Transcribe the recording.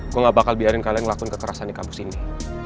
gue gak bakal biarin kalian ngelakuin kekerasan di kampus ini